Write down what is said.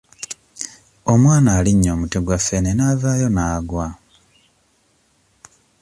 Omwana alinnye omuti gwa ffene n'avaayo n'agwa